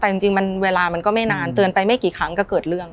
แต่จริงมันเวลามันก็ไม่นานเตือนไปไม่กี่ครั้งก็เกิดเรื่อง